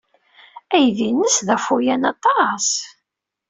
Aydi-nnes d awfayan aṭas.